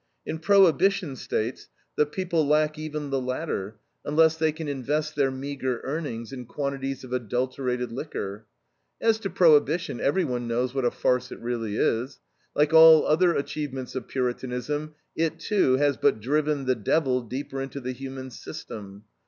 In Prohibition States the people lack even the latter, unless they can invest their meager earnings in quantities of adulterated liquor. As to Prohibition, every one knows what a farce it really is. Like all other achievements of Puritanism it, too, has but driven the "devil" deeper into the human system.